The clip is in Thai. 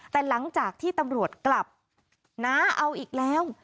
แต่หลังจากที่ตำรวจกลับน้าเอาอีกแล้ว